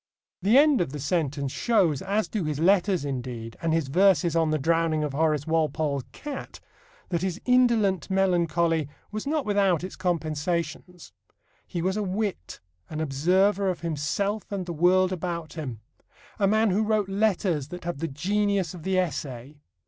The end of the sentence shows (as do his letters, indeed, and his verses on the drowning of Horace Walpole's cat) that his indolent melancholy was not without its compensations. He was a wit, an observer of himself and the world about him, a man who wrote letters that have the genius of the essay.